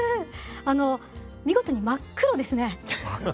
あの見事に真っ黒ですね。